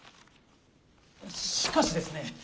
しかしですね